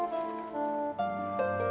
ya ma aku ngerti